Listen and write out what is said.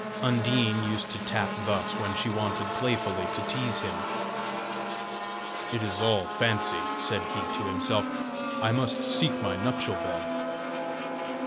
Undine used to tap thus when she wanted playfully to tease him "It is all fancy," said he to himself; "I must seek my nuptial bed."